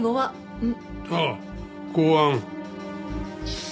うん。